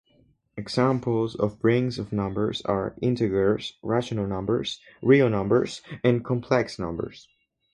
Examples of rings of numbers are integers, rational numbers, real numbers, and complex numbers.